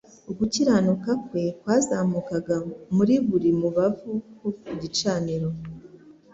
Ugukiranuka kwe kwazamukaga muri buri mubavu wo ku gicaniro.